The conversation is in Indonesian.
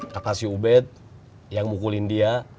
kata si ubed yang mukulin dia